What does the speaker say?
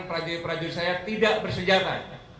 prajurit prajurit saya tidak bersejarah